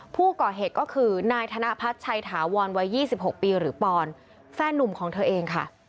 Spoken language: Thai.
ผู้ก่อเหตุก็คือนายธนพัฒน์ชัยถาวรวัย๒๖ปีหรือปอนแฟนนุ่มของเธอเองค่ะ